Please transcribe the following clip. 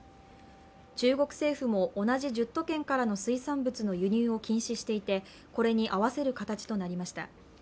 中国政府も同じ１０都県からの水産物の輸入を禁止していてこれに合わせる形となりました。